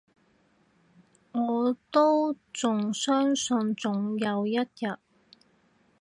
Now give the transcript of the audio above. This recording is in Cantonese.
我都仲相信，總有一日